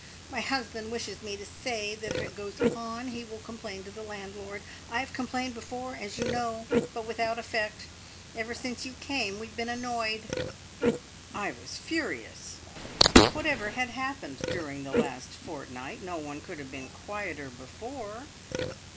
My husband wishes me to say that if it goes on he will complain to the landlord. I have complained before, as you know, but without effect. Ever since you came we have been annoyed." I was furious. Whatever had happened during the last fortnight, no one could have been quieter before.